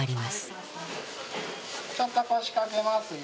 ちょっと腰掛けますよ。